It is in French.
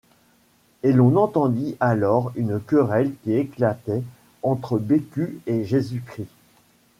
Et l’on entendit alors une querelle qui éclatait entre Bécu et Jésus-Christ.